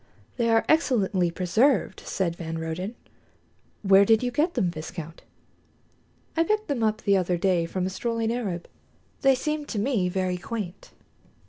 "They are excellently preserved," said van Roden. "Where did you get them, viscount?" "I picked them up the other day from a strolling Arab. They seemed to me very quaint."